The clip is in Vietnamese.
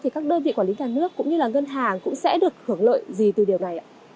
các đơn vị quản lý nhà nước cũng như ngân hàng cũng sẽ được hưởng lợi gì từ điều này